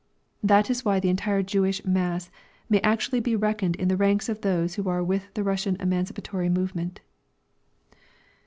That is why the entire Jewish mass may actually be reckoned in the ranks of those who are with the Russian emancipatory movement.